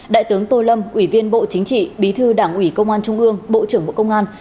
đại tướng tô lâm ủy viên bộ chính trị bí thư đảng ủy công an trung ương bộ trưởng bộ công an